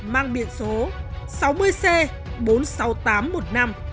mang biển số sáu mươi c bốn mươi sáu nghìn tám trăm một mươi năm